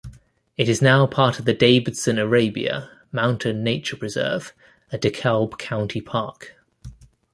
It is now part of the Davidson-Arabia Mountain Nature Preserve, a DeKalb County park.